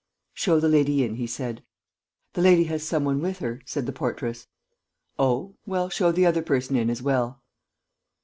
"Show the lady in," he said. "The lady has some one with her," said the portress. "Oh? Well, show the other person in as well."